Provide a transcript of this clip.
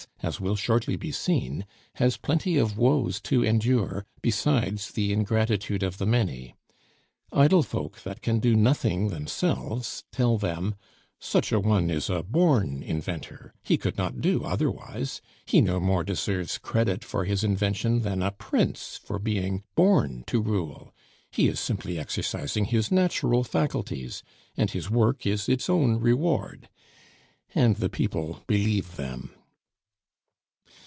as will shortly be seen, has plenty of woes to endure, besides the ingratitude of the many; idle folk that can do nothing themselves tell them, "Such a one is a born inventor; he could not do otherwise. He no more deserves credit for his invention than a prince for being born to rule! He is simply exercising his natural faculties, and his work is its own reward," and the people believe them.